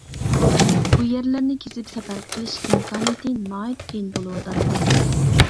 بۇ يەرلەرنى كېزىپ سەپەر قىلىش ئىمكانىيىتى ناھايىتى قىيىن بولۇۋاتاتتى.